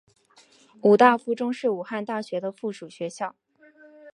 武大附中是武汉大学的附属学校。